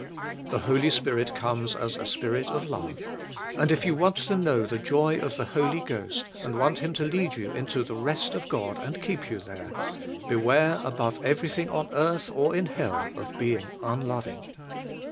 The Holy Spirit comes JO V IX THE IIOL Y GHOST 141 as a spirit of love, and if you want to know the joy of the Holy Ghost, and want Him to lead you into the rest of God and keep you there, beware above everything on earth or in hell of being un loving.